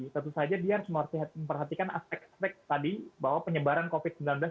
tentu saja dia harus memperhatikan aspek aspek tadi bahwa penyebaran covid sembilan belas